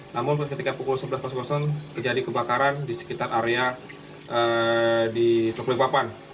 namun ketika pukul sebelas terjadi kebakaran di sekitar area di teluk balikpapan